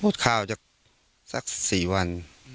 ข่าวจากสัก๔วัน